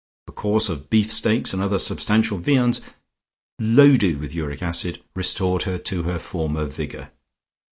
A course of beef steaks and other substantial viands loaded with uric acid restored her to her former vigour.